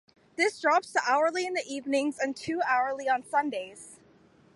This drops to hourly in the evenings and two-hourly on Sundays.